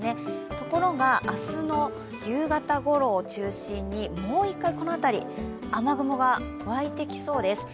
ところが、明日の夕方ごろを中心にもう一回、この辺り雨雲が湧いてきそうです。